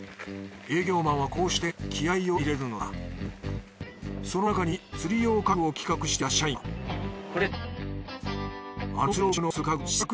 営業マンはこうして気合いを入れるのだそのなかに釣り用家具を企画していた社員がこれですね。